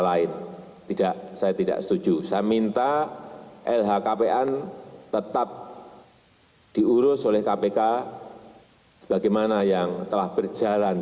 lain tidak saya tidak setuju saya minta lhkpn tetap diurus oleh kpk sebagaimana yang telah berjalan